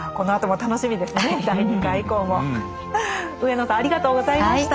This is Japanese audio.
上野さんありがとうございました。